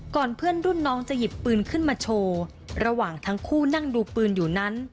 เพื่อนรุ่นน้องจะหยิบปืนขึ้นมาโชว์ระหว่างทั้งคู่นั่งดูปืนอยู่นั้น